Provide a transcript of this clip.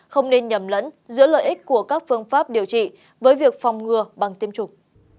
không nên nhầm lẫn giữa lợi ích của các phương pháp điều trị với việc phòng ngừa bằng tiêm chủng